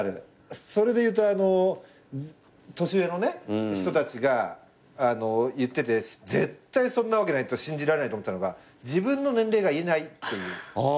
それでいうと年上の人たちが言ってて絶対そんなわけないと信じられないと思ってたのが自分の年齢が言えないっていう。